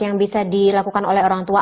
yang bisa dilakukan oleh orang tua